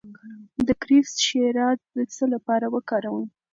د کرفس شیره د څه لپاره وکاروم؟